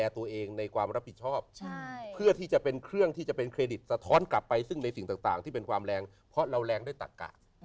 ตัวเองในความรับผิดชอบเพื่อที่จะเป็นเครื่องที่จะเป็นเครดิตสะท้อนกลับไปซึ่งในสิ่งต่างที่เป็นความแรงเพราะเราแรงด้วยตักกะ